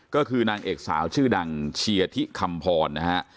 ก็คือนางเอกสาวชื่อดังเชียร์ที่คำพรนะฮะ